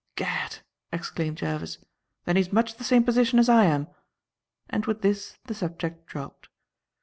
"Gad!" exclaimed Jervis, "then he is much the same position as I am." And with this the subject dropped.